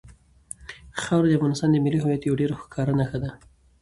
خاوره د افغانستان د ملي هویت یوه ډېره ښکاره نښه ده.